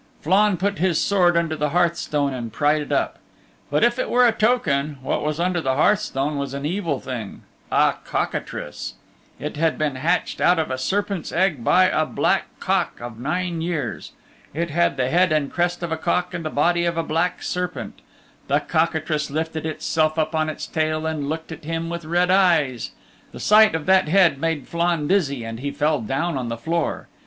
Flann put his sword under the hearthstone and pried it up. But if it were a token, what was under the hearthstone was an evil thing a cockatrice. It had been hatched out of a serpent's egg by a black cock of nine years. It had the head and crest of a cock and the body of a black serpent. The cockatrice lifted itself up on its tail and looked at him with red eyes. The sight of that head made Flann dizzy and he fell down on the floor.